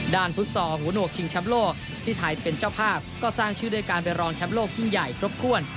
ด้านฟุตส่อหัวหนวกชิงชับโลกที่ถ่ายเป็นเจ้าภาพก็สร้างชื่อด้วยการเป็นรองชับโลกยิ่งใหญ่ทบควร